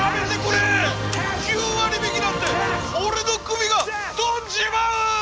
９割引きなんて俺の首が飛んじまう！